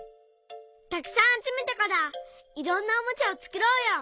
たくさんあつめたからいろんなおもちゃをつくろうよ。